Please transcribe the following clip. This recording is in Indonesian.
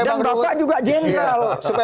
dan bapak juga jenderal